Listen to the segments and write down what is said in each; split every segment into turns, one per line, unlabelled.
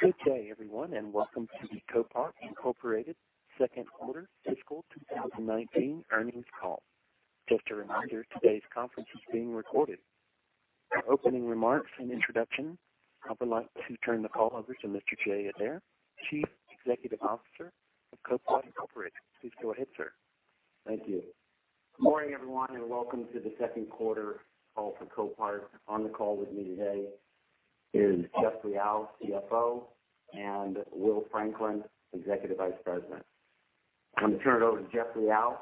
Good day, everyone. Welcome to the Copart, Inc. second quarter fiscal 2019 earnings call. Just a reminder, today's conference is being recorded. For opening remarks and introduction, I would like to turn the call over to Mr. Jay Adair, Chief Executive Officer of Copart, Inc. Please go ahead, sir.
Thank you. Good morning, everyone. Welcome to the second quarter call for Copart. On the call with me today is Jeff Liaw, CFO, and Will Franklin, Executive Vice President. I'm going to turn it over to Jeff Liaw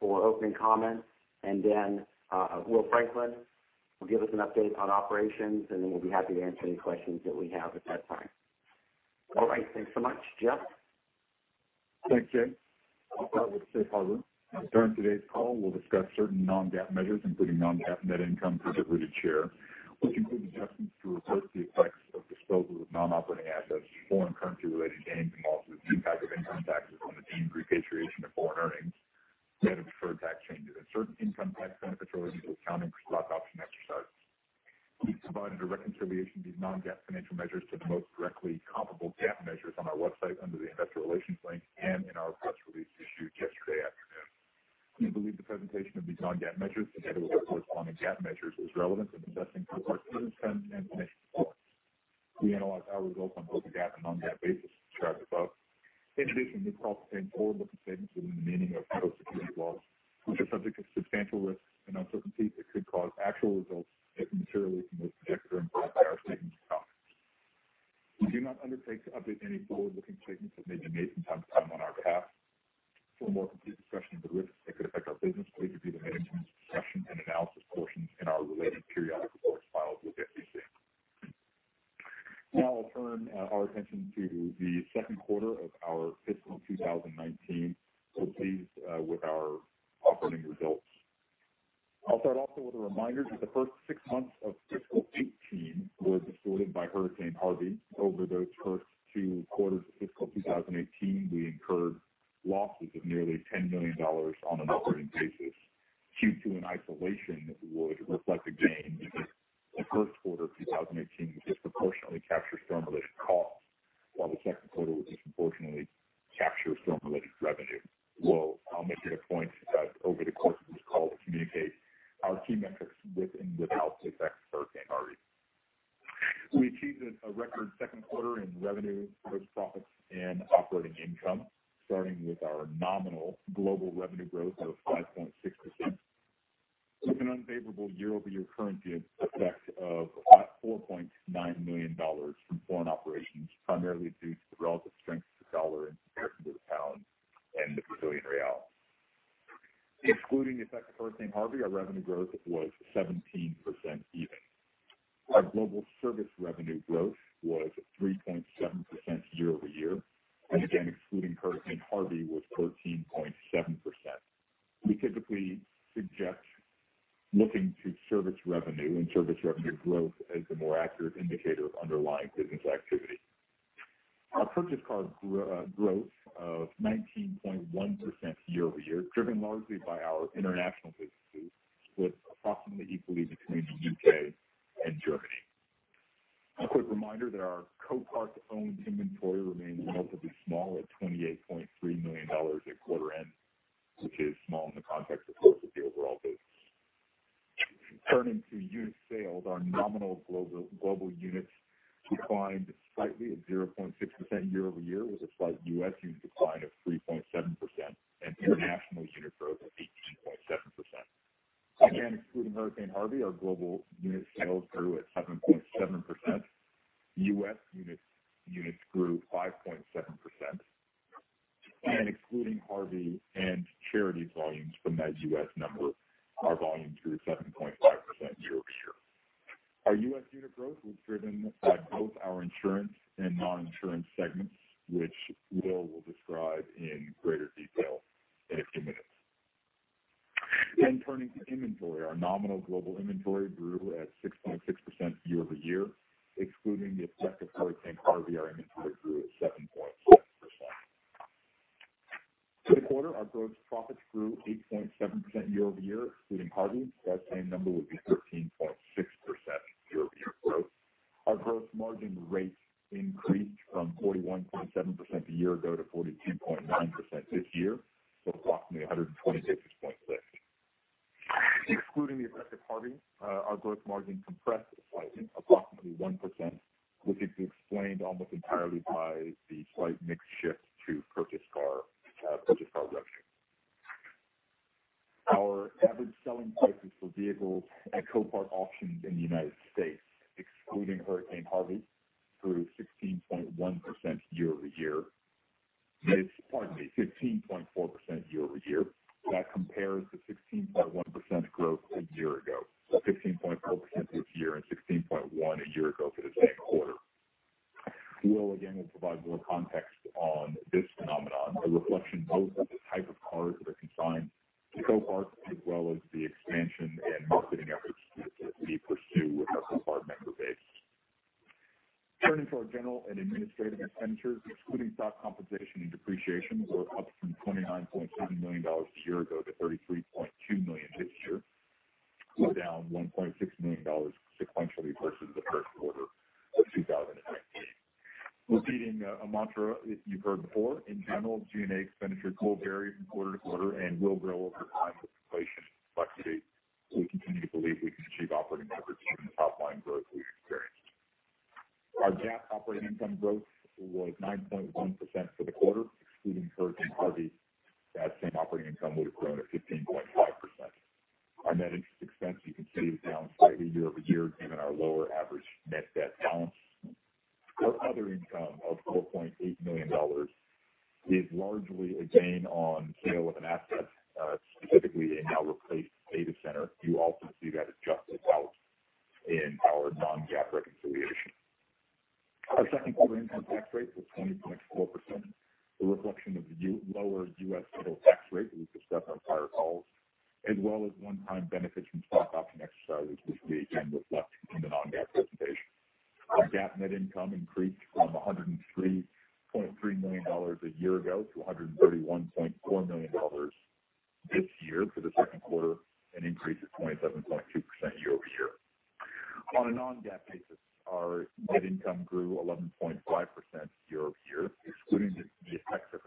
for opening comments. Then Will Franklin will give us an update on operations. Then we'll be happy to answer any questions that we have at that time. All right, thanks so much. Jeff?
Thanks, Jay. I'll start with the safe harbor. During today's call, we'll discuss certain non-GAAP measures, including non-GAAP net income per diluted share, which include adjustments to report the effects of disposal of non-operating assets, foreign currency-related gains and losses, the impact of income taxes on the deemed repatriation of foreign earnings, net of deferred tax changes, and certain income tax benefit related to accounting for stock option exercises. We've provided a reconciliation of these non-GAAP financial measures to the most directly comparable GAAP measures on our website under the Investor Relations link and in our press release issued yesterday afternoon. We believe the presentation of these non-GAAP measures, together with their corresponding GAAP measures, is relevant in assessing Copart's business trends and financial performance. We analyze our results on both a GAAP and non-GAAP basis, as described above. In addition, this call contains forward-looking statements within the and again, excluding Hurricane Harvey, was 13.7%. We typically suggest looking to service revenue and service revenue growth as a more accurate indicator of underlying business activity. Our purchased car growth of 19.1% year-over-year, driven largely by our international businesses, split approximately equally between the U.K. and Germany. A quick reminder that our Copart-owned inventory remains relatively small at $28.3 million at quarter end, which is small in the context, of course, of the overall business. Turning to unit sales, our nominal global units declined slightly at 0.6% year-over-year, with a slight U.S. unit decline of 3.7% and international unit growth of 18.7%. Again, excluding Hurricane Harvey, our global unit sales grew at 7.7%. U.S. units grew 5.7%. Excluding Harvey and charity volumes from that U.S. number, our volume grew 7.5% year-over-year. Our U.S. unit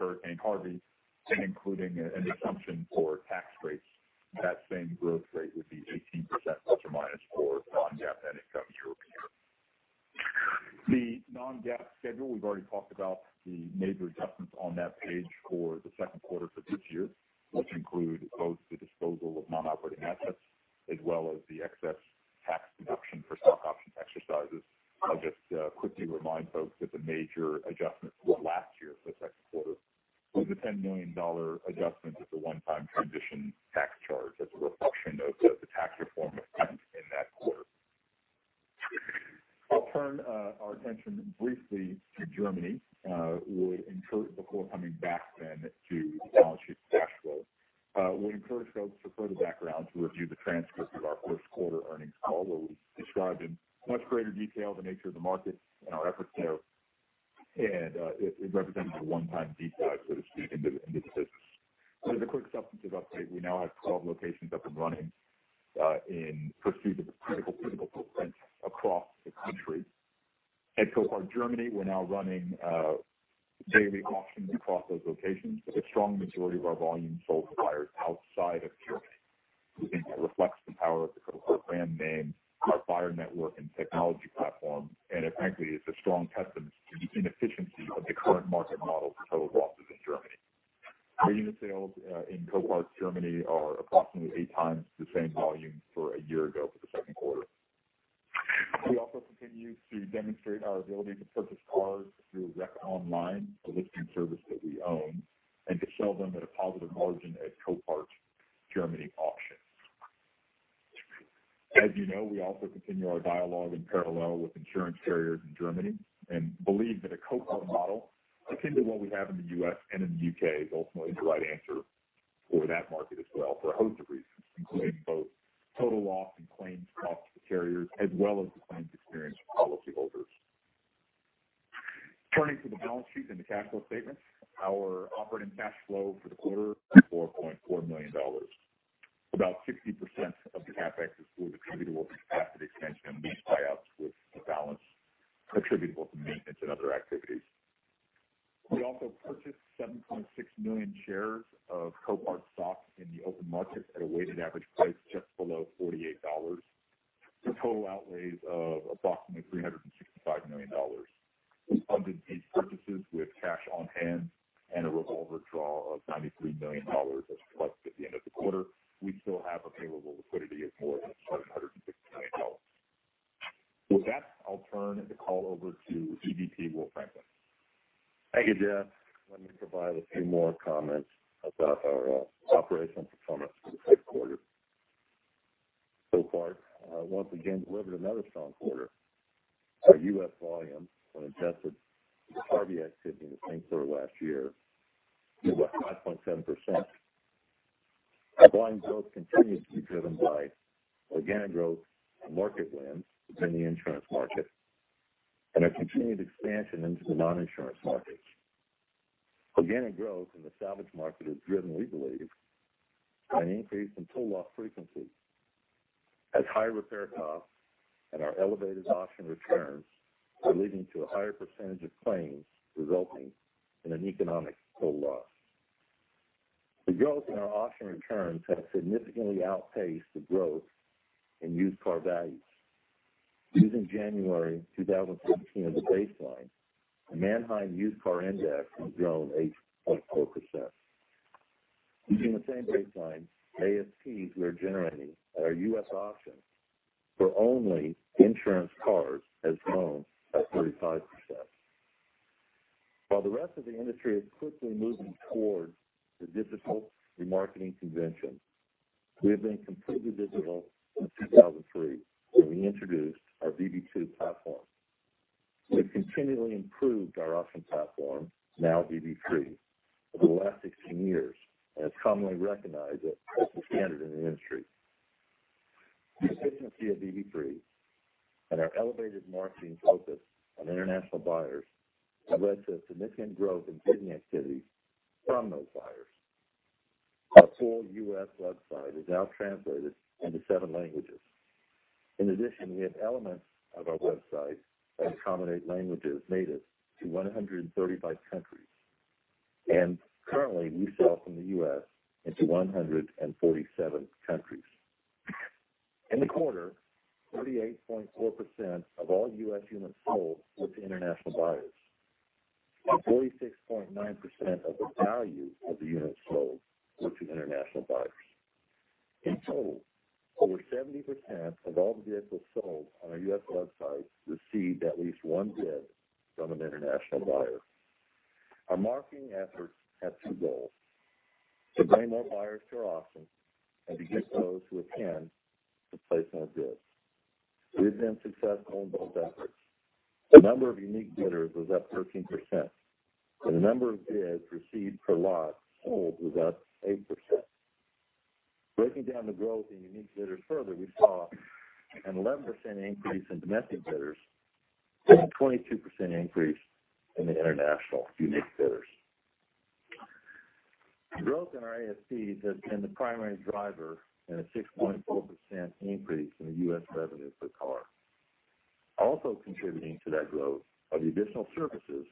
effects of Hurricane Harvey and including an assumption for tax rates, that same growth rate would be ±18% for non-GAAP net income year-over-year. The non-GAAP schedule, we've already talked about the major adjustments on that page for the second quarter for this year, which include both the disposal of non-operating assets as well as the excess tax deduction for stock option exercises. I'll just quickly remind folks that the major adjustment for last year for the second quarter was a $10 million adjustment as a one-time transition tax charge as a reflection of the tax reform effect in that quarter. I'll turn our attention briefly to Germany before coming back to the balance sheet and cash flow. We encourage folks, for further background, to review the transcript of our first quarter earnings call, where we described in much greater detail the nature of the market and our efforts there, and it represented a one-time deep dive, so to speak, into the business. As a quick substantive update, we now have 12 locations up and running in pursuit of the critical footprint across the country. At Copart Germany, we're now running daily auctions across those locations, but the strong majority of our volume sold for buyers outside of Germany. We think that reflects the power of the Copart brand name, our buyer network and technology platform, and frankly, it's a strong testament to the inefficiency of the current market model for total losses in Germany. Our unit sales in Copart Germany are approximately eight times the same volume for a year ago for the second quarter. We also continue to demonstrate our ability to purchase cars through Rep Online, a listing service that we own, and to sell them at a positive margin at Copart Germany auctions. As you know, we also continue our dialogue in parallel with insurance carriers in Germany and believe that a Copart model akin to what we have in the U.S. and in the U.K. is ultimately the right answer for that market as well for a host of reasons, including both total loss and claims costs to the carriers, as well as the claims experience for policyholders. Turning to the balance sheet and the cash flow statement, our operating cash flow for the quarter was $4.4 million. About 60% of the CapEx is attributable to capacity expansion and lease buyouts, with the balance attributable to maintenance and other activities. We also purchased 7.6 million shares of Copart stock in the open market at a weighted average price just below $48, for total outlays of approximately $365 million. We funded these purchases with cash on hand and a revolver draw of $93 million. As reflected at the end of the quarter, we still have available liquidity of more than $760 million. With that, I'll turn the call over to EVP Will Franklin.
Thank you, Jeff. Let me provide a few more comments about our operational performance for the second quarter. Copart once again delivered another strong quarter. Our U.S. volume, when adjusted for the Harvey activity the same quarter last year, grew by 5.7%. Volume growth continues to be driven by organic growth and market wins within the insurance market and a continued expansion into the non-insurance markets. Organic growth in the salvage market is driven, we believe, by an increase in total loss frequency as higher repair costs and our elevated auction returns are leading to a higher percentage of claims resulting in an economic total loss. The growth in our auction returns has significantly outpaced the growth in used car values. Using January 2016 as a baseline, the Manheim Used Vehicle Value Index has grown 8.4%. Using the same baseline, ASPs we are generating at our U.S. auctions for only insurance cars has grown by 35%. While the rest of the industry is quickly moving towards the digital remarketing convention, we have been completely digital since 2003, when we introduced our VB2 platform. We've continually improved our auction platform, now VB3, over the last 16 years, and it's commonly recognized as the standard in the industry. The efficiency of VB3. Our elevated marketing focus on international buyers has led to significant growth in bidding activity from those buyers. Our full U.S. website is now translated into seven languages. In addition, we have elements of our website that accommodate languages native to 135 countries. Currently, we sell from the U.S. into 147 countries. In the quarter, 38.4% of all U.S. units sold were to international buyers, and 46.9% of the value of the units sold were to international buyers. In total, over 70% of all the vehicles sold on our U.S. website received at least one bid from an international buyer. Our marketing efforts have two goals: to bring more buyers to our auctions and to get those who attend to place more bids. We've been successful in both efforts. The number of unique bidders was up 13%, and the number of bids received per lot sold was up 8%. Breaking down the growth in unique bidders further, we saw an 11% increase in domestic bidders and a 22% increase in the international unique bidders. Growth in our ASPs has been the primary driver in a 6.4% increase in the U.S. revenue per car. Also contributing to that growth are the additional services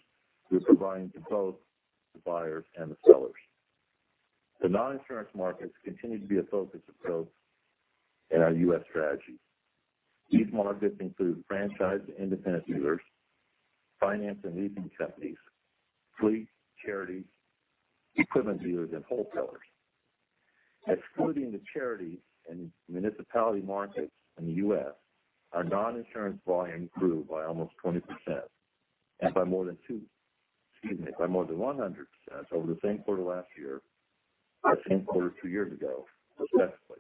we're providing to both the buyers and the sellers. The non-insurance markets continue to be a focus of growth in our U.S. strategy. These markets include franchise independent dealers, finance and leasing companies, fleet, charity, equipment dealers, and wholesalers. Excluding the charity and municipality markets in the U.S., our non-insurance volume grew by almost 20% and by more than two. By more than 100% over the same quarter last year, or same quarter two years ago, respectively.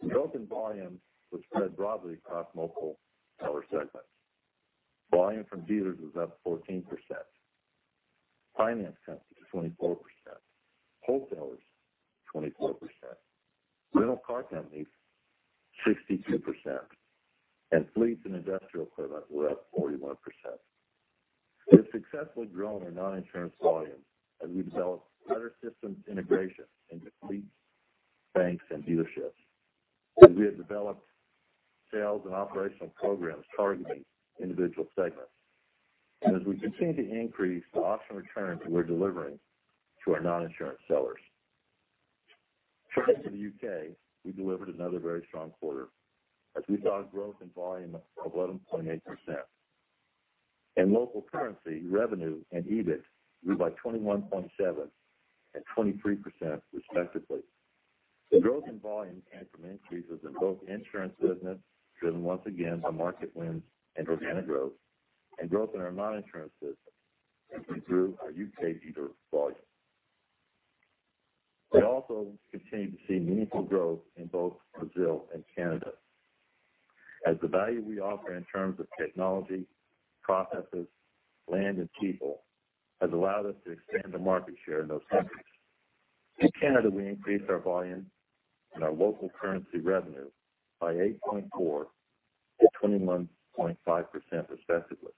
The growth in volume was spread broadly across multiple power segments. Volume from dealers was up 14%, finance companies 24%, wholesalers 24%, rental car companies 62%, and fleets and industrial equipment were up 41%. We have successfully grown our non-insurance volumes as we develop better systems integration into fleets, banks, and dealerships. We have developed sales and operational programs targeting individual segments. As we continue to increase the auction returns we're delivering to our non-insurance sellers. Turning to the U.K., we delivered another very strong quarter as we saw a growth in volume of 11.8%. In local currency, revenue and EBIT grew by 21.7% and 23%, respectively. The growth in volume came from increases in both insurance business, driven once again by market wins and organic growth, and growth in our non-insurance business as we grew our U.K. dealer volume. We also continue to see meaningful growth in both Brazil and Canada as the value we offer in terms of technology, processes, land, and people has allowed us to expand the market share in those countries. In Canada, we increased our volume and our local currency revenue by 8.4% and 21.5%, respectively.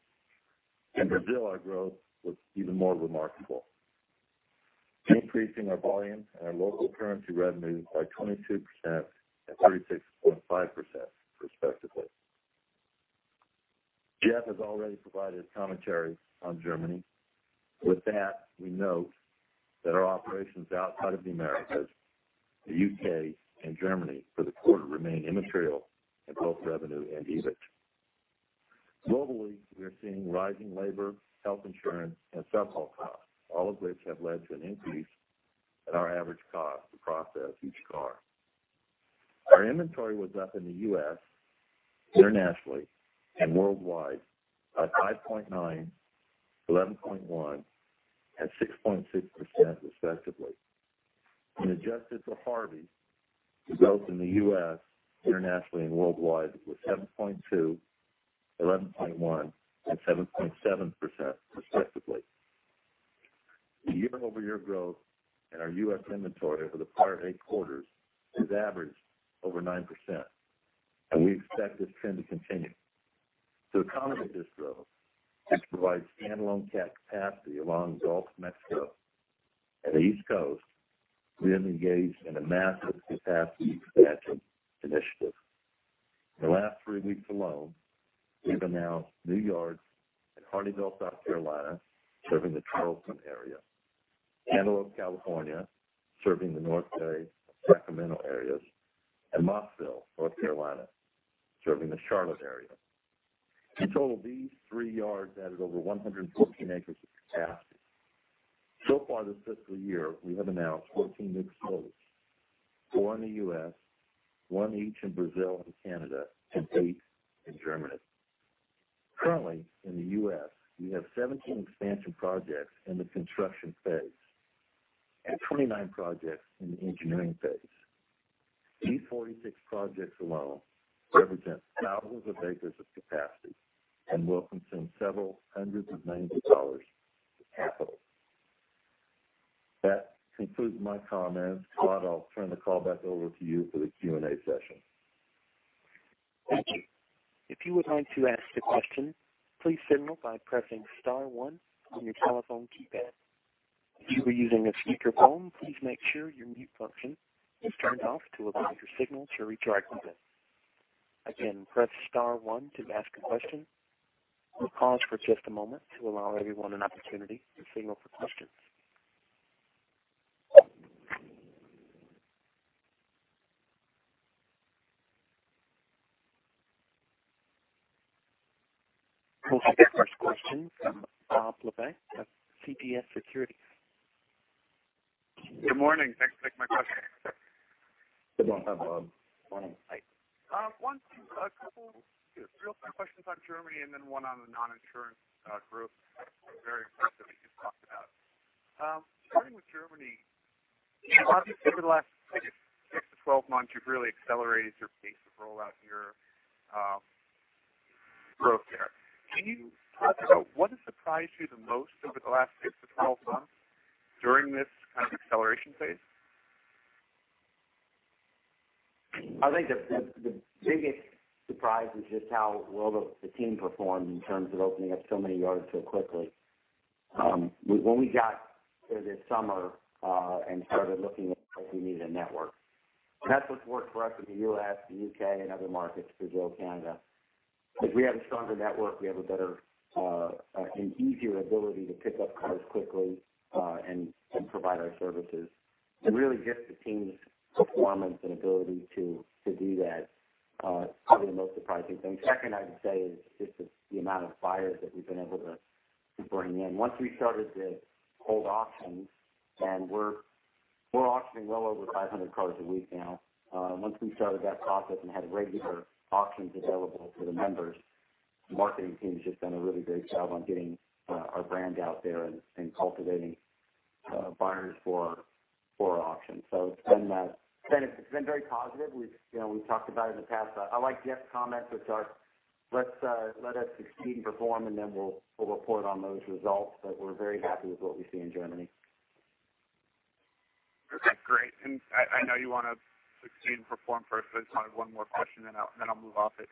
In Brazil, our growth was even more remarkable, increasing our volume and our local currency revenue by 22% and 36.5%, respectively. Jeff has already provided commentary on Germany. With that, we note that our operations outside of the Americas, the U.K., and Germany for the quarter remain immaterial in both revenue and EBIT. Globally, we are seeing rising labor, health insurance, and sub-haul costs, all of which have led to an increase in our average cost to process each car. Our inventory was up in the U.S., internationally, and worldwide by 5.9%, 11.1%, and 6.6%, respectively. When adjusted for Harvey, the growth in the U.S., internationally, and worldwide was 7.2%, 11.1%, and 7.7%, respectively. The year-over-year growth in our U.S. inventory for the past eight quarters has averaged over 9%, and we expect this trend to continue. To accommodate this growth and to provide standalone capacity along the Gulf of Mexico and the East Coast, we have engaged in a massive capacity expansion initiative. In the last three weeks alone, we've announced new yards in Harleyville, South Carolina, serving the Charleston area, Antelope, California, serving the North Bay, Sacramento areas, and Mooresville, North Carolina, serving the Charlotte area. In total, these three yards added over 114 acres of capacity. So far this fiscal year, we have announced 14 new facilities, four in the U.S., one each in Brazil and Canada, and eight in Germany. Currently, in the U.S., we have 17 expansion projects in the construction phase and 29 projects in the engineering phase. These 46 projects alone represent thousands of acres of capacity and will consume several hundreds of millions of dollars of capital. That concludes my comments. Operator, I'll turn the call back over to you for the Q&A session.
Thank you. If you would like to ask a question, please signal by pressing star one on your telephone keypad. If you are using a speakerphone, please make sure your mute function is turned off to allow your signal to reach our conference. Again, press star one to ask a question. We'll pause for just a moment to allow everyone an opportunity to signal for questions. We'll take the first question from Robert Labick of CJS Securities.
Good morning. Thanks. Take my question.
Good morning, Bob.
Morning. One thing, a couple real quick questions on Germany and then one on the non-insurance group. Very impressive what you just talked about. Starting with Germany, obviously over the last six to 12 months, you've really accelerated your pace of rollout in your growth there. Can you talk about what has surprised you the most over the last six to 12 months during this kind of acceleration phase?
I think the biggest surprise is just how well the team performed in terms of opening up so many yards so quickly. When we got there this summer and started looking at how we need a network. That's what's worked for us in the U.S., the U.K., and other markets, Brazil, Canada. If we have a stronger network, we have a better and easier ability to pick up cars quickly and provide our services. Really just the team's performance and ability to do that is probably the most surprising thing. Second, I would say, is just the amount of buyers that we've been able to bring in. Once we started to hold auctions, we're auctioning well over 500 cars a week now. Once we started that process and had regular auctions available to the members, the marketing team has just done a really great job on getting our brand out there and cultivating buyers for our auctions. It's been very positive. We've talked about it in the past. I like Jeff's comments. Let us succeed and perform, we'll report on those results. We're very happy with what we see in Germany.
Okay, great. I know you want to succeed and perform first, just one more question, I'll move off it.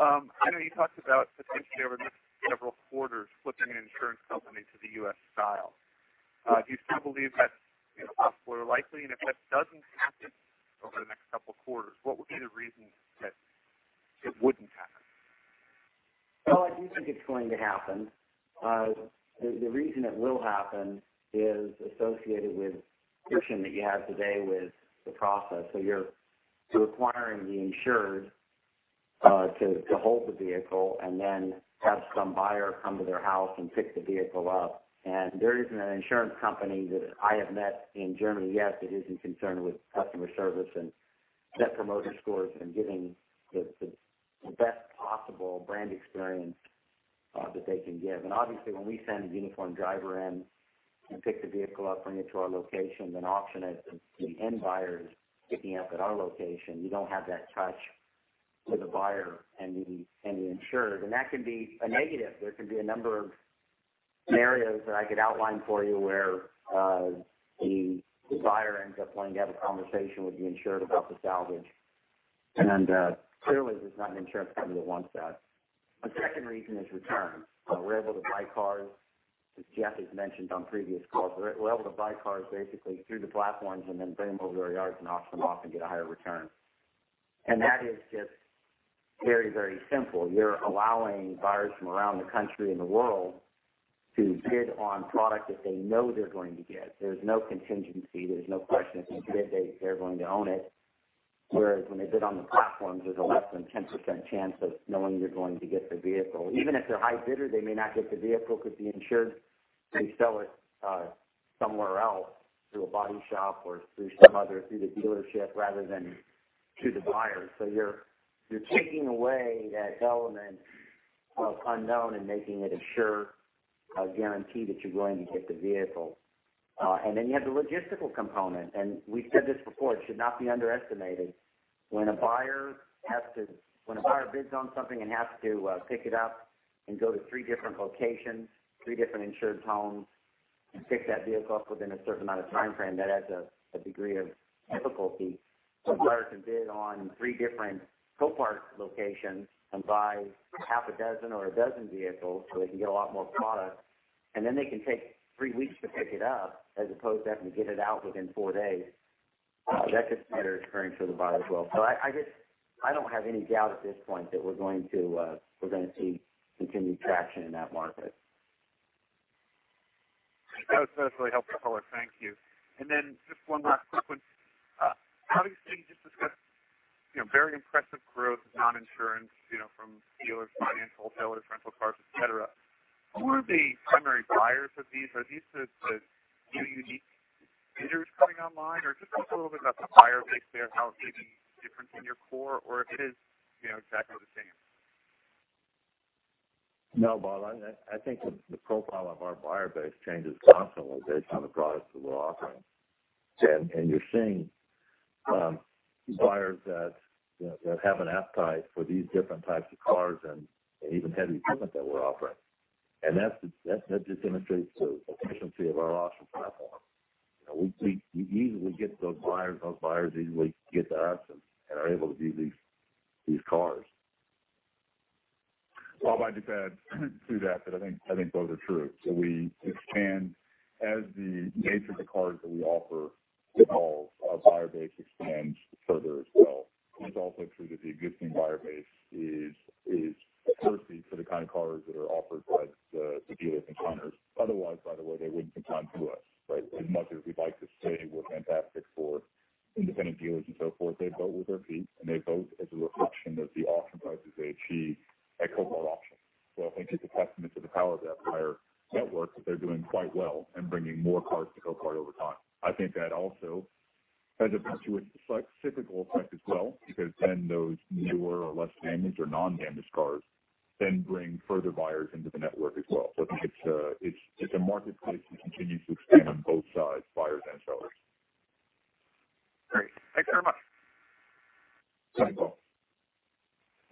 I know you talked about potentially over the next several quarters flipping an insurance company to the U.S. style. Do you still believe that's possible or likely? If that doesn't happen over the next couple of quarters, what would be the reason that it wouldn't happen?
I do think it's going to happen. The reason it will happen is associated with friction that you have today with the process. You're requiring the insured to hold the vehicle and then have some buyer come to their house and pick the vehicle up. There isn't an insurance company that I have met in Germany yet that isn't concerned with customer service and net promoter scores and giving the best possible brand experience that they can give. Obviously, when we send a uniformed driver in and pick the vehicle up, bring it to our location, then auction it, and the end buyer is picking up at our location, you don't have that touch with the buyer and the insured, and that can be a negative. There could be a number of scenarios that I could outline for you where the buyer ends up wanting to have a conversation with the insured about the salvage, then clearly there's not an insurance company that wants that. A second reason is return. We're able to buy cars, as Jeff has mentioned on previous calls, we're able to buy cars basically through the platforms and then bring them over to our yards and auction them off and get a higher return. That is just very simple. You're allowing buyers from around the country and the world to bid on product that they know they're going to get. There's no contingency, there's no question. If they bid, they're going to own it. Whereas when they bid on the platforms, there's a less than 10% chance of knowing you're going to get the vehicle. Even if they're high bidder, they may not get the vehicle because the insured may sell it somewhere else through a body shop or through the dealership rather than to the buyer. You're taking away that element of unknown and making it a sure guarantee that you're going to get the vehicle. You have the logistical component, and we've said this before, it should not be underestimated. When a buyer bids on something and has to pick it up and go to 3 different locations, 3 different insured homes, and pick that vehicle up within a certain amount of time frame, that adds a degree of difficulty. Buyers can bid on 3 different Copart locations and buy half a dozen or a dozen vehicles, so they can get a lot more product, then they can take 3 weeks to pick it up, as opposed to having to get it out within 4 days. That's a consideration for the buyer as well. I don't have any doubt at this point that we're going to see continued traction in that market.
That was definitely helpful. Thank you. Just one last quick one. Obviously, you just discussed very impressive growth of non-insurance from dealers, finance, wholesalers, rental cars, et cetera. Who are the primary buyers of these? Are these the new unique bidders coming online? Just talk a little bit about the buyer base there, how it's maybe different than your core or if it is exactly the same.
No, Bob, I think the profile of our buyer base changes constantly based on the products that we're offering. You're seeing buyers that have an appetite for these different types of cars and even heavy equipment that we're offering. That just demonstrates the efficiency of our auction platform. We easily get those buyers, easily get to us and are able to view these cars.
Well, I'd just add to that, I think both are true. We expand as the nature of the cars that we offer evolves, our buyer base expands further as well. It's also true that the existing buyer base is thirsty for the kind of cars that are offered by the dealers and consignors. Otherwise, by the way, they wouldn't come to us, right? As much as we'd like to say we're fantastic for independent dealers and so forth, they vote with their feet, and they vote as a reflection of the auction prices they achieve at Copart Auctions. I think it's a testament to the power of that buyer network that they're doing quite well and bringing more cars to Copart over time. I think that also has a virtuous cyclical effect as well because then those newer or less damaged or non-damaged cars then bring further buyers into the network as well. I think it's a marketplace that continues to expand on both sides, buyers and sellers.
Great. Thanks very much.
Thank you.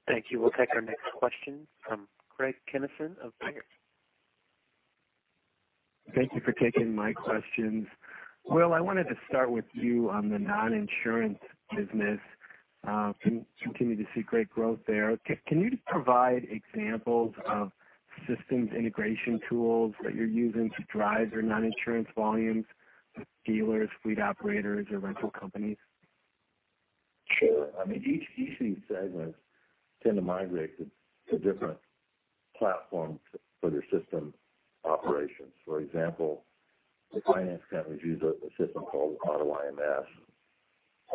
Thank you. We'll take our next question from Craig Kennison of Baird.
Thank you for taking my questions. Will, I wanted to start with you on the non-insurance business. Continue to see great growth there. Can you just provide examples of systems integration tools that you're using to drive your non-insurance volumes with dealers, fleet operators, or rental companies?
Sure. Each of these segments tend to migrate to different platforms for their system operations. For example, the finance companies use a system called AutoIMS.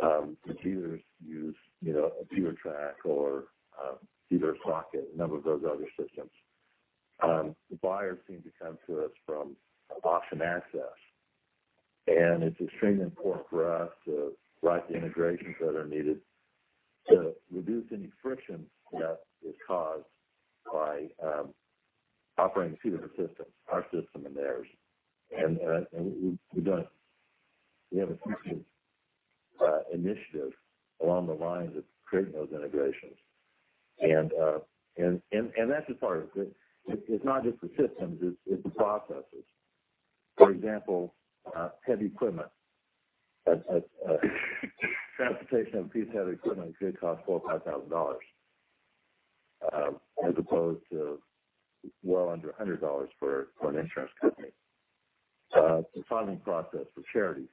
The dealers use Dealertrack or DealerSocket, a number of those other systems. The buyers seem to come to us from AuctionACCESS. It's extremely important for us to drive the integrations that are needed to reduce any friction that is caused by operating two different systems, our system and theirs. We have a few initiatives along the lines of creating those integrations. That's just part of it. It's not just the systems, it's the processes. For example, heavy equipment. Transportation of a piece of heavy equipment could cost $4,000 or $5,000, as opposed to well under $100 for an insurance company. The filing process for charities,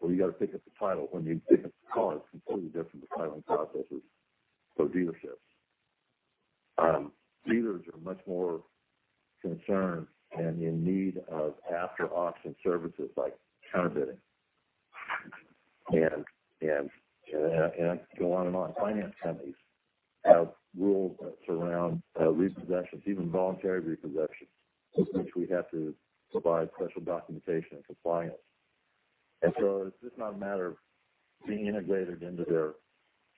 where you got to pick up the title when you pick up the car, it's a completely different filing processes for dealerships. Dealers are much more concerned and in need of after-auction services like and so on and on. Finance companies have rules that surround repossessions, even voluntary repossessions, which we have to provide special documentation and compliance. It's just not a matter of being integrated into their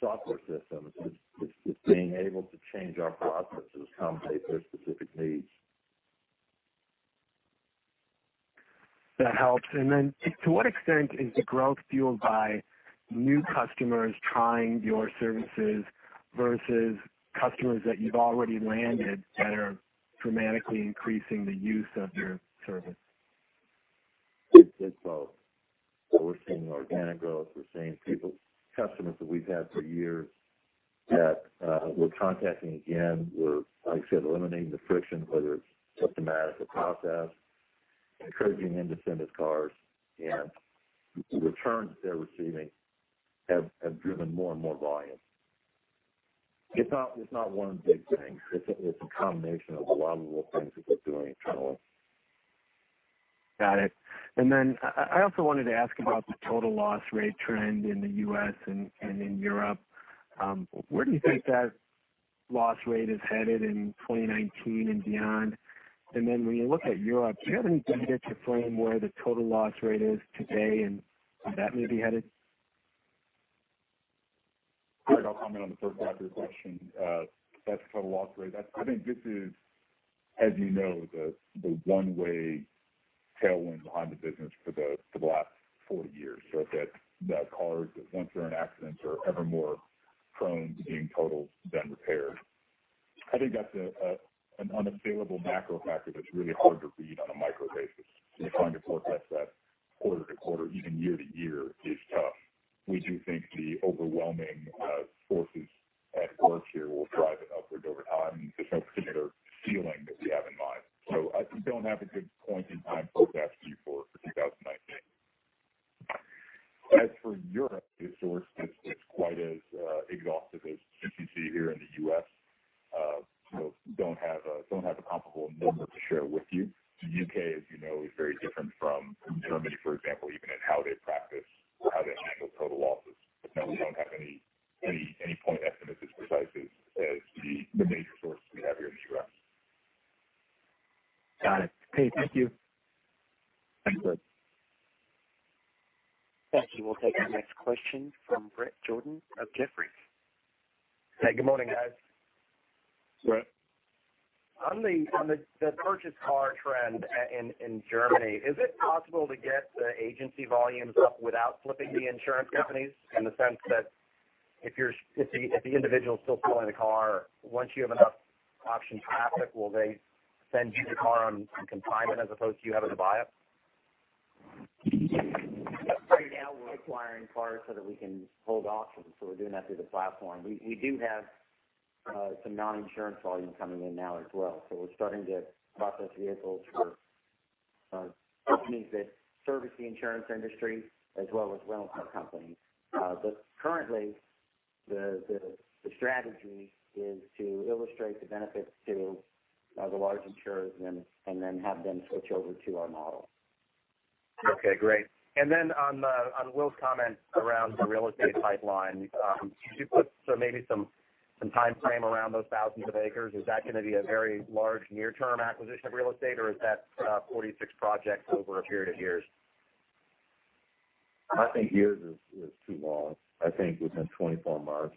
software system, it's being able to change our processes to accommodate their specific needs.
That helps. To what extent is the growth fueled by new customers trying your services versus customers that you've already landed that are dramatically increasing the use of their service?
It's both. We're seeing organic growth. We're seeing customers that we've had for years that we're contacting again. We're, like I said, eliminating the friction, whether it's systematic or process, encouraging them to send us cars. The returns that they're receiving have driven more and more volume. It's not one big thing. It's a combination of a lot of little things that we're doing internally.
Got it. I also wanted to ask about the total loss rate trend in the U.S. and in Europe. Where do you think that loss rate is headed in 2019 and beyond? When you look at Europe, do you have any data to frame where the total loss rate is today and where that may be headed?
All right, I'll comment on the first half of your question. As for total loss rate, I think this is, as you know, the one-way tailwind behind the business for the last four years. Cars, once they're in accidents, are ever more prone to being totaled than repaired. I think that's an unassailable macro factor that's really hard to read on a micro basis. Trying to forecast that quarter to quarter, even year to year, is tough. We do think the overwhelming forces at work here will drive it upward over time. There's no particular ceiling that we have in mind. I don't have a good point-in-time forecast view for 2019. As for Europe, the source is quite as exhaustive as what you see here in the U.S. Don't have a comparable number to share with you. The U.K., as you know, is very different from Germany, for example, even in how they practice or how they handle total losses. No, we don't have any point estimates as precise as the major sources we have here in the U.S.
Got it. Okay, thank you.
Thanks, Craig.
Thank you. We'll take our next question from Bret Jordan of Jefferies.
Hey, good morning, guys.
Right.
On the purchase car trend in Germany, is it possible to get the agency volumes up without flipping the insurance companies? In the sense that if the individual's still selling a car, once you have enough auction traffic, will they send you the car on consignment as opposed to you having to buy it?
Right now we're acquiring cars so that we can hold auctions, so we're doing that through the platform. We do have some non-insurance volume coming in now as well. We're starting to process vehicles for companies that service the insurance industry as well as rental car companies. Currently, the strategy is to illustrate the benefits to the large insurers and then have them switch over to our model.
Okay, great. Then on Will's comment around the real estate pipeline, could you put maybe some timeframe around those thousands of acres? Is that going to be a very large near-term acquisition of real estate, or is that 46 projects over a period of years?
I think years is too long. I think within 24 months,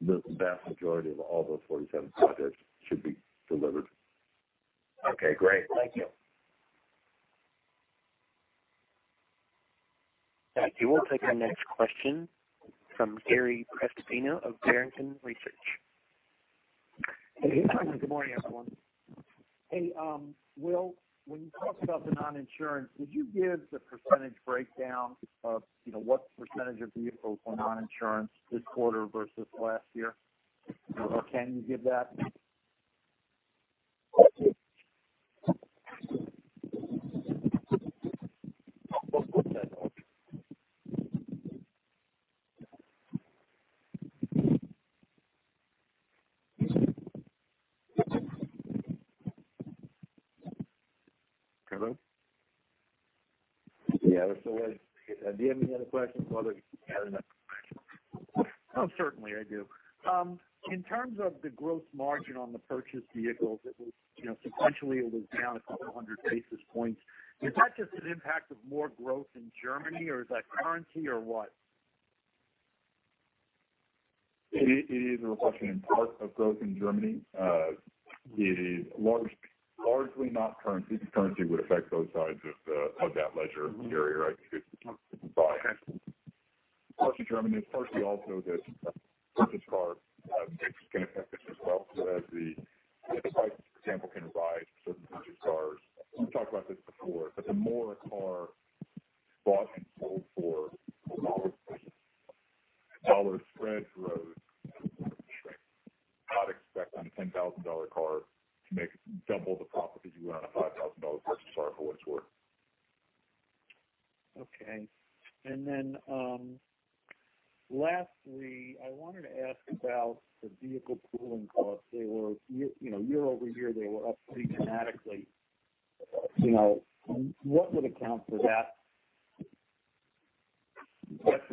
the vast majority of all those 47 projects should be delivered.
Okay, great. Thank you.
Thank you. We'll take our next question from Gary Prestopino of Barrington Research.
Hey. Good morning, everyone. Hey, Will, when you talked about the non-insurance, could you give the % breakdown of what % of vehicles were non-insurance this quarter versus last year? Or can you give that?
Let's go to that one. Hello? Yeah. Do you have any other questions while we're gathering that information?
Oh, certainly I do. In terms of the gross margin on the purchased vehicles, sequentially, it was down 200 basis points. Is that just an impact of more growth in Germany, or is that currency or what?
It is a reflection in part of growth in Germany. It is largely not currency, because currency would affect both sides of that ledger, Gary, right? It's buy.
Okay.
Partially Germany, partially also that purchased cars mix can affect this as well. As the price, for example, can rise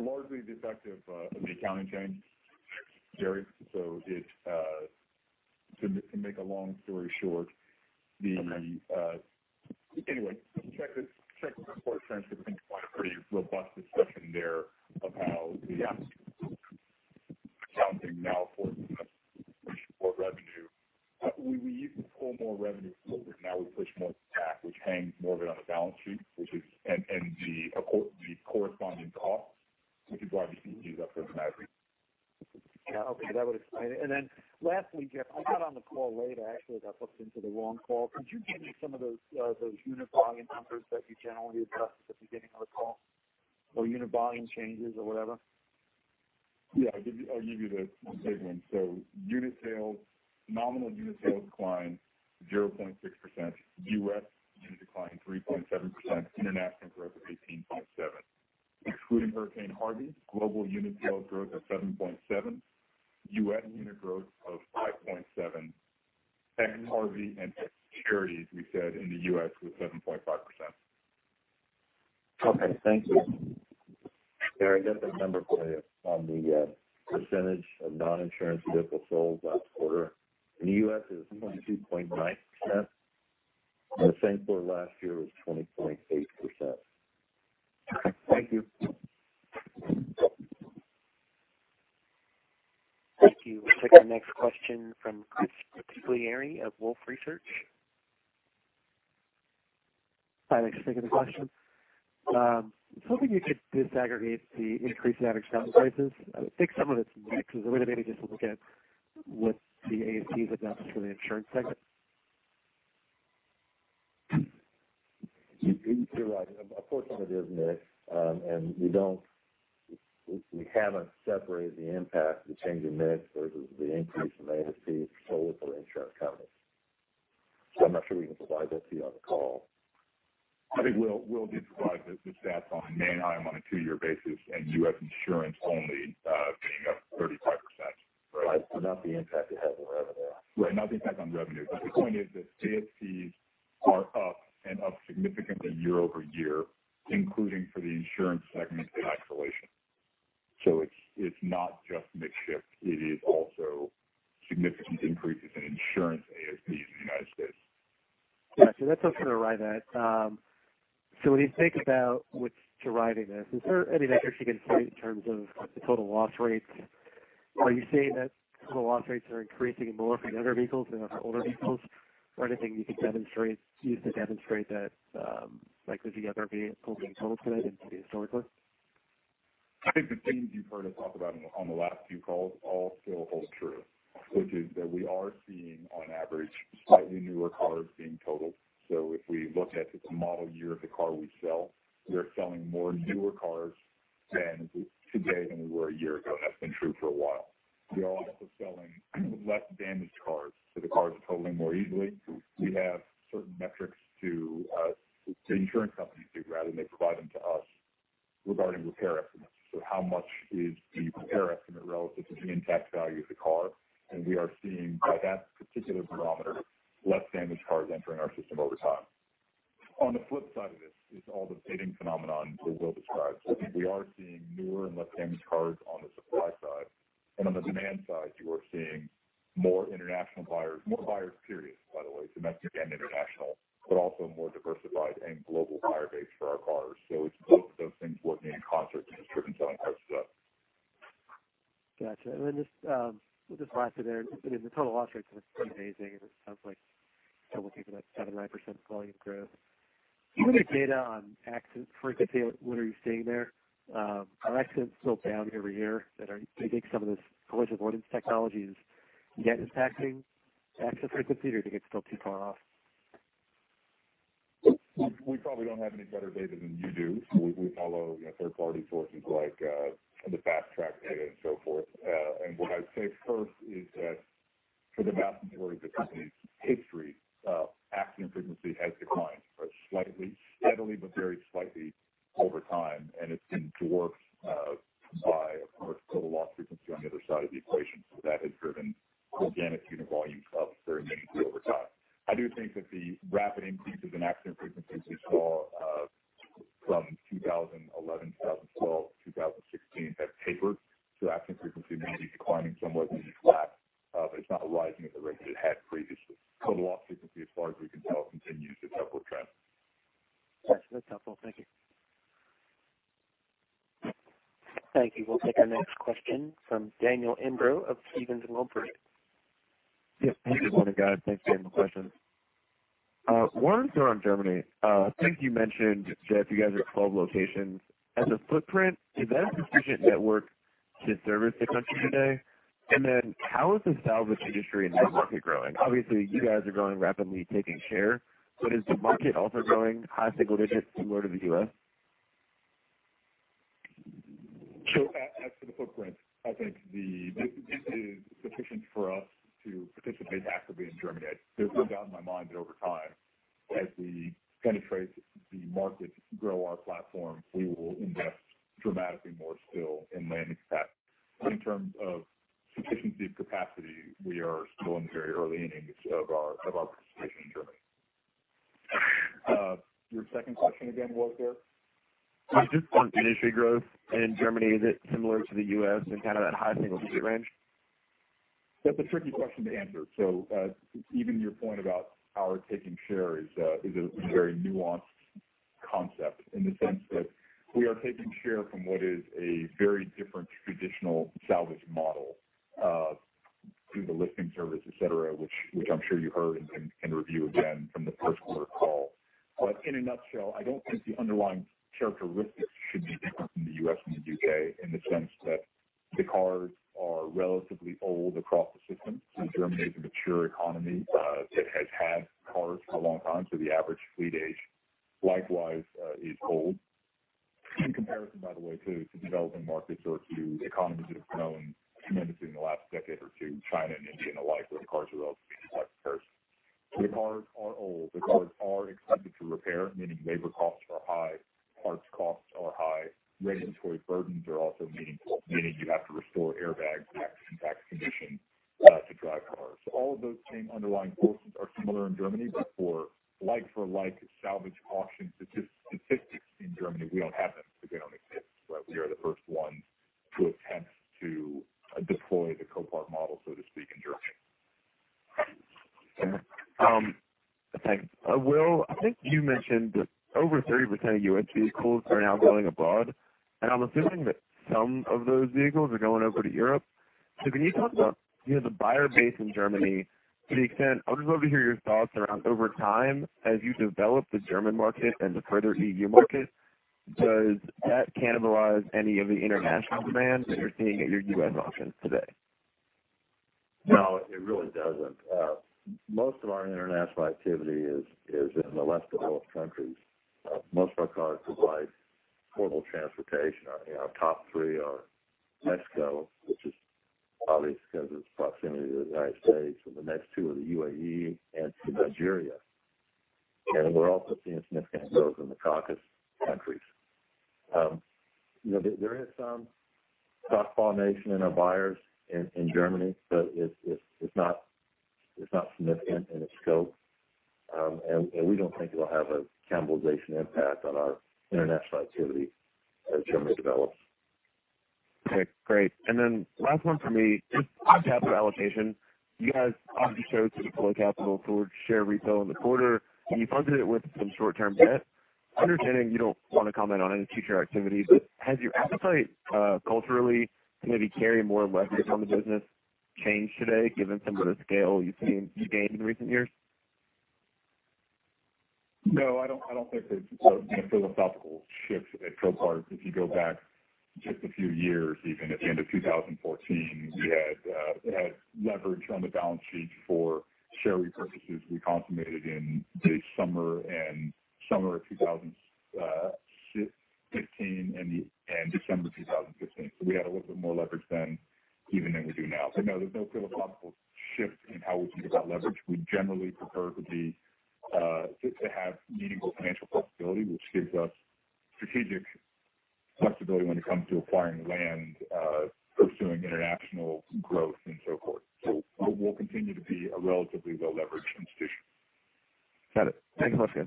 for certain purchased cars. We've talked about this before, the more a car bought and sold for a lower price, the dollar spread grows. You would not expect on a $10,000 car to make double the profit as you would on a $5,000 purchased car, for what it's worth.
Okay. Lastly, I wanted to ask about the vehicle pooling costs. Year-over-year, they were up pretty dramatically. What would account for that?
That's largely the effect of the accounting change, Gary. To make a long story short.
Okay.
Check the quarter transcript. I think you'll find a pretty robust discussion there of how the accounting now, for much more revenue. We used to pull more revenue forward. Now we push more back, which hangs more of it on the balance sheet, and the corresponding costs, which is why you see these up dramatically.
Yeah. Okay. That would explain it. Lastly, Jeff, I got on the call late. I actually got booked into the wrong call. Could you give me some of those unit volume numbers that you generally discuss at the beginning of the call? Or unit volume changes or whatever?
Yeah, I'll give you the big ones. Nominal unit sales declined 0.6%. U.S. unit declined 3.7%. International growth of 18.7%. Excluding Hurricane Harvey, global unit sales growth of 7.7%. U.S. unit growth of 5.7%. Ex Harvey and ex charities, we said in the U.S. was 7.5%.
Okay. Thank you.
Gary, I got the number for you on the percentage of non-insurance vehicles sold last quarter. In the U.S. it was 22.9%, and the same quarter last year was 20.8%.
Okay. Thank you.
Thank you. We'll take our next question from Chris Bottiglieri of Wolfe Research.
Hi. Thanks for taking the question. I was hoping you could disaggregate the increase in average sale prices. I think some of it's mix. I was wondering maybe just to look at what the ASPs have done for the insurance segment.
You're right. A portion of it is mix. We haven't separated the impact of the change in mix versus the increase in ASPs sold for insurance companies. I'm not sure we can provide that to you on the call.
I think Will did provide the stats on Manheim on a two-year basis and U.S. insurance only being up 35%.
Right. Not the impact it has on revenue.
Right. Not the impact on revenue. The point is that ASPs are up and up significantly year-over-year, including for the insurance segment in isolation. It's not just mix shift, it is also significant increases in insurance ASPs.
Gotcha. That's what I'm going to ride at. When you think about what's driving this, is there any metrics you can point in terms of the total loss rates? Are you saying that total loss rates are increasing more for newer vehicles than for older vehicles? Anything you can use to demonstrate that the newer vehicles are being totaled today than historically?
I think the themes you've heard us talk about on the last few calls all still hold true, which is that we are seeing, on average, slightly newer cars being totaled. If we look at the model year of the car we sell, we are selling more newer cars today than we were a year ago. That's been true for a while. We are also selling less damaged cars, so the cars are totaling more easily. We have certain metrics to the insurance companies, rather, and they provide them to us regarding repair estimates. How much is the repair estimate relative to the intact value of the car, and we are seeing by that particular barometer, less damaged cars entering our system over time. On the flip side of this is all the bidding phenomenon that Will described. We are seeing newer and less damaged cars on the supply side. On the demand side, you are seeing more international buyers, more buyers period, by the way, domestic and international, but also a more diversified and global buyer base for our cars. It's both of those things working in concert to drive those numbers up.
Got you. Just lastly there, the total loss rates are pretty amazing, and it sounds like. Do you have any data on accident frequency? What are you seeing there? Are accidents still down every year? Do you think some of this collision avoidance technology is yet impacting accident frequency, or do you think it's still too far off?
We probably don't have any better data than you do. We follow third-party sources like the Fast Track data and so forth. What I'd say first is that for the vast majority of the company's history, I think this is sufficient for us to participate actively in Germany. There's no doubt in my mind that over time, as we penetrate the market, grow our platform, we will invest dramatically more still in landing capacity. In terms of sufficiency of capacity, we are still in the very early innings of our participation in Germany. Your second question again was, sir?
Just on industry growth in Germany, is it similar to the U.S. in kind of that high single-digit range?
That's a tricky question to answer. Even your point about our taking share is a very nuanced concept in the sense that we are taking share from what is a very different traditional salvage model, through the listing service, et cetera, which I'm sure you heard and can review again from the first quarter call. In a nutshell, I don't think the underlying characteristics should be different from the U.S. and the U.K. in the sense that the cars are relatively old across the system. Germany is a mature economy that has had cars for a long time. The average fleet age, likewise, is old. In comparison, by the way, to developing markets or to economies that have grown tremendously in the last decade or two, China and India and the like, where cars are relatively new by comparison. The cars are old, the cars are expensive to repair, meaning labor costs are high,
Germany to the extent, I would love to hear your thoughts around over time as you develop the German market and the further EU market, does that cannibalize any of the international demand that you're seeing at your U.S. auctions today?
No, it really doesn't. Most of our international activity is in the less developed countries. Most of our cars provide affordable transportation. Our top three are Mexico, which is obvious because of its proximity to the United States, the next two are the UAE and Nigeria. We're also seeing significant growth in the Caucasus countries. There is some cross-pollination in our buyers in Germany, but it's not significant in its scope. We don't think it will have a cannibalization impact on our international activity as Germany develops.
Okay, great. Last one for me, just on capital allocation. You guys off the show deployed capital towards share refill in the quarter, and you funded it with some short-term debt. Understanding you don't want to comment on any future activity, has your appetite culturally maybe carry more leverage on the business changed today given some of the scale you've gained in recent years?
No, I don't think there's been a philosophical shift at Copart. If you go back just a few years, even at the end of 2014, we had leverage on the balance sheet for share repurchases we consummated in the summer of 2015 and December of 2015. We had a little bit more leverage then even than we do now. No, there's no philosophical shift in how we think about leverage. We generally prefer to have meaningful financial flexibility, which gives us strategic flexibility when it comes to acquiring land, pursuing international growth, and so forth. We'll continue to be a relatively low leverage institution.
Got it. Thanks a lot Jeff.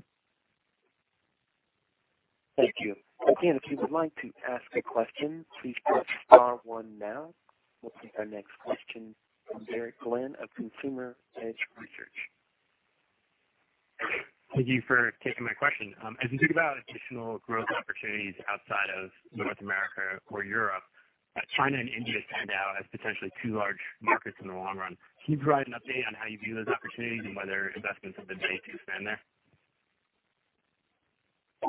Thank you. Again, if you would like to ask a question, please press star one now. We'll take our next question from Derek Glenn of Consumer Edge Research.
Thank you for taking my question. As you think about additional growth opportunities outside of North America or Europe, China and India stand out as potentially two large markets in the long run. Can you provide an update on how you view those opportunities and whether investments have been made to expand there?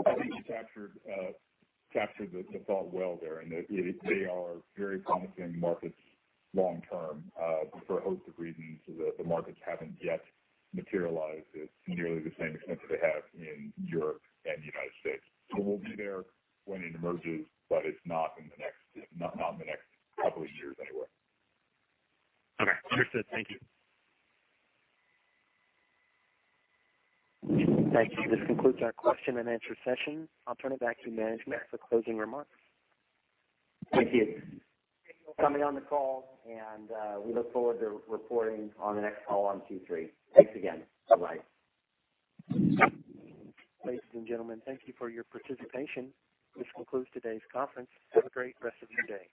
I think you captured the thought well there. They are very promising markets long term. For a host of reasons, the markets haven't yet materialized to nearly the same extent that they have in Europe and the United States. We'll be there when it emerges, but it's not in the next couple of years anyway.
Okay. Understood. Thank you.
Thank you. This concludes our question and answer session. I'll turn it back to management for closing remarks.
Thank you. Thank you for coming on the call. We look forward to reporting on the next call on Q3. Thanks again. Bye-bye.
Ladies and gentlemen, thank you for your participation. This concludes today's conference. Have a great rest of your day.